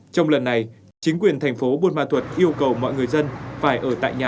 trong lần này chính quyền thành phố buôn ma thuật yêu cầu mọi người dân phải ở tại nhà